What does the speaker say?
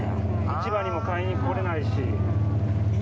市場にも買いにこられないし。